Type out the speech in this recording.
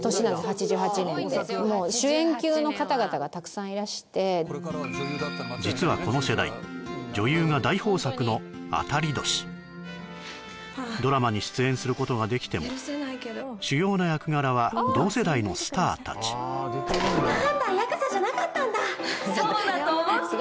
８８年ってもう主演級の方々がたくさんいらして実はこの世代女優が大豊作の当たり年ドラマに出演することができても主要な役柄は同世代のスター達なーんだヤクザじゃなかったんだそうだと思った！